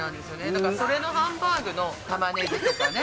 だからそれのハンバーグのたまねぎとかね。